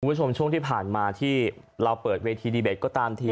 ช่วงที่ผ่านมาที่เราเปิดเวทีดีเบตก็ตามที